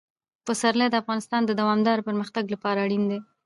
پسرلی د افغانستان د دوامداره پرمختګ لپاره اړین دي.